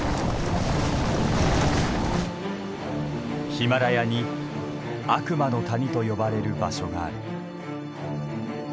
ヒマラヤに悪魔の谷と呼ばれる場所がある。